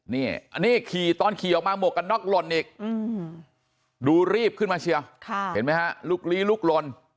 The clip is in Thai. นี่อันนี้ขี่ตอนขี่ออกมาหมวกกันน็อกหล่นอีกดูรีบขึ้นมาเชียวเห็นไหมฮะลุกลี้ลุกลน